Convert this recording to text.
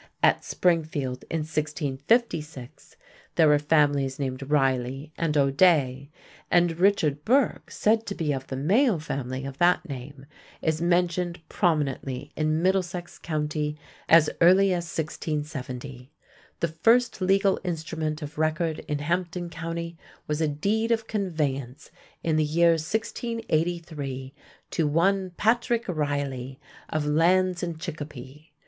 At Springfield in 1656 there were families named Riley and O'Dea; and Richard Burke, said to be of the Mayo family of that name, is mentioned prominently in Middlesex County as early as 1670. The first legal instrument of record in Hampden County was a deed of conveyance in the year 1683 to one Patrick Riley of lands in Chicopee.